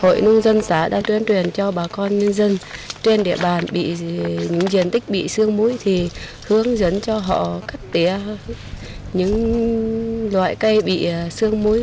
hội nông dân xã đã tuyên truyền cho bà con nhân dân trên địa bàn những diện tích bị xương muối thì hướng dẫn cho họ cắt tía những loại cây bị sương muối